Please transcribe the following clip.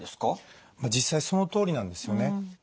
実際そのとおりなんですよね。